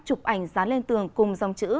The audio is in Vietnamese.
chụp ảnh dán lên tường cùng dòng chữ